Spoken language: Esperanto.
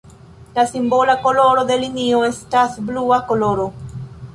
La simbola koloro de linio estas blua koloro.